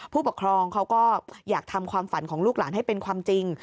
ผู้ปกครองเขาก็อยากทำความฝันของลูกหลานให้เป็นความจริง